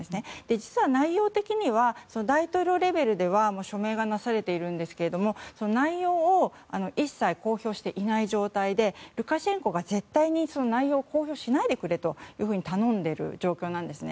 実は内容的には大統領レベルでは署名がなされているんですが内容を一切公表していない状態でルカシェンコが、絶対に内容を公表しないでくれと頼んでいる状況なんですね。